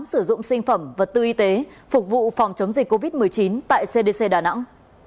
sử dụng sinh phẩm vật tư y tế phục vụ phòng chống dịch covid một mươi chín tại cdc đà nẵng